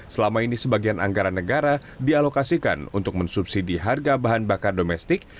selama ini sebagian anggaran negara dialokasikan untuk mensubsidi harga bahan bakar domestik